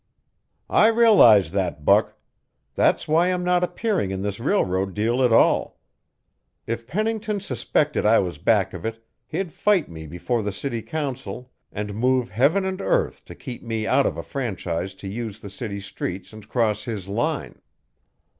"I realize that, Buck. That's why I'm not appearing in this railroad deal at all. If Pennington suspected I was back of it, he'd fight me before the city council and move heaven and earth to keep me out of a franchise to use the city streets and cross his line.